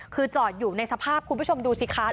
คือจอดอยู่ในสภาพคุณผู้ชมดูสิคะ